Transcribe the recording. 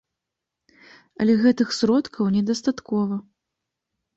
Але гэтых сродкаў недастаткова.